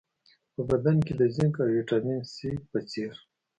په بدن کې د زېنک او ویټامین سي په څېر